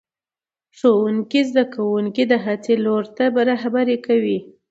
ښوونکی زده کوونکي د هڅې لور ته رهبري کوي